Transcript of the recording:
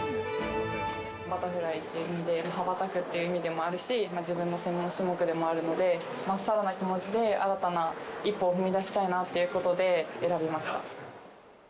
バタフライっていう意味で、羽ばたくっていう意味でもあるし、自分の専門種目でもあるので、まっさらな気持ちで、新たな一歩を踏み出したいなっていうことで選びました。